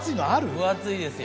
分厚いですよ